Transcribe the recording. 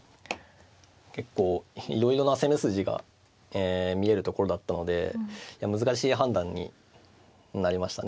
結構いろいろな攻め筋が見えるところだったので難しい判断になりましたね。